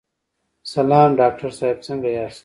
سلام ډاکټر صاحب، څنګه یاست؟